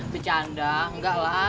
bercanda enggak lah